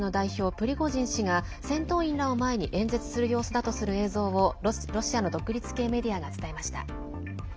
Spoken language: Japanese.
プリゴジン氏が戦闘員らを前に演説する様子だとする映像をロシアの独立系メディアが伝えました。